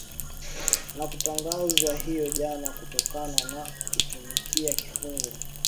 na kutangazwa hiyo jana kutokana na kutumikia kifungo